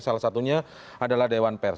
salah satunya adalah dewan pers